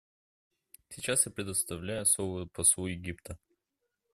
Сейчас я предоставляю слово послу Египта.